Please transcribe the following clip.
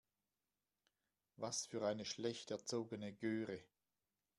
Was für eine schlecht erzogene Göre.